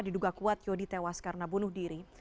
diduga kuat yodi tewas karena bunuh diri